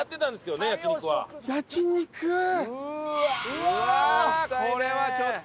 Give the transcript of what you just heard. うわこれはちょっと。